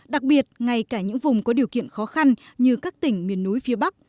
đặc biệt ngay cả những vùng có điều kiện khó khăn như các tỉnh miền núi phía bắc